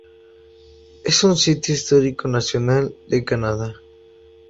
Es un sitio histórico nacional de Canadá.